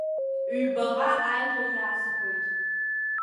Ҩбаҟа ажәа иасҳәоит.